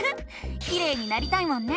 きれいになりたいもんね！